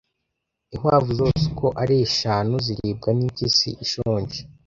Inkwavu zose uko ari eshanu ziribwa nimpyisi ishonje.